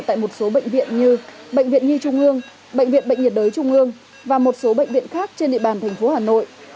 tại một số bệnh viện như bệnh viện nhi trung ương bệnh viện bệnh nhiệt đới trung ương và một số bệnh viện khác trên địa bàn thành phố hà nội